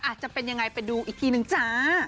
จะเป็นยังไงไปดูอีกทีนึงจ้า